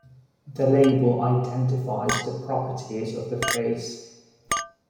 The label identifies the properties of the phrase.